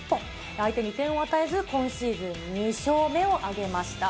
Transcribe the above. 相手に点を与えず、今シーズン２勝目を挙げました。